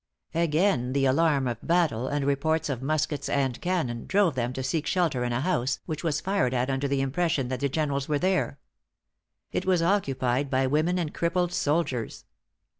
Again the alarm of battle, and reports of muskets and cannon, drove them to seek shelter in a house, which was fired at under the impression that the generals were there. It was occupied by women and crippled soldiers.